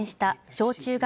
小・中学